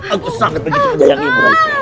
aku sangat begitu menyayangimu rayi